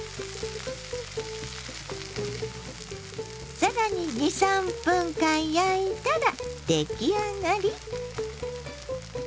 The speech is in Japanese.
更に２３分間焼いたら出来上がり！